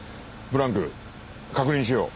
ブランク確認しよう。